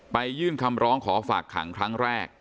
ยื่นคำร้องขอฝากขังครั้งแรก